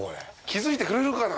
気付いてくれるかな？